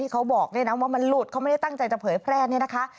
เขาบอกด้วยนะว่ามันหลุดเขาไม่ได้ตั้งใจจะเผยแพร่เนี่ยนะคะ